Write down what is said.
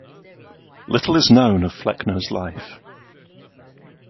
Little is known of Flecknoe's life.